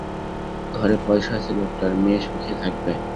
ঘরে পয়সা আছে লোকটার, মেয়ে সুখে থাকবে।